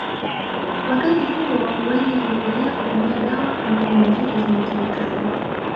Wakati huo wengi huendelea kutumia dawa pamoja na vitu vyenye kemikali